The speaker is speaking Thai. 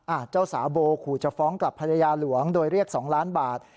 เจ้าสาวโบขู่จะฟ้องกลับภรรยาหลวงโดยเรียกสองล้านบาท